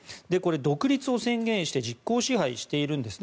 独立を宣言して実効支配しているんです。